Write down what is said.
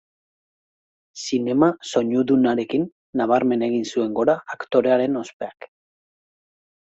Zinema soinudunarekin nabarmen egin zuen gora aktorearen ospeak.